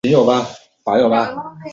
日本围棋故事